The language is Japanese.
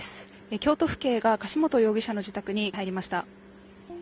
京都府警が柏本容疑者の自宅に入りました。